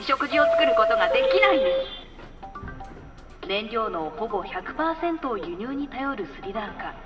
燃料のほぼ１００％を輸入に頼るスリランカ。